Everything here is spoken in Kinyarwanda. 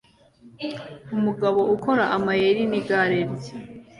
Umugabo ukora amayeri nigare rye